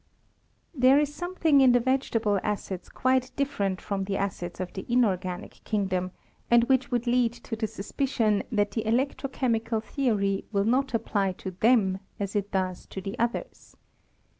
There is something in the vegetable acids quite different from the acids of the inorganic kingdom, and which would lead to the suspicion that the electro chemical theory will not apply to them as it does to the others.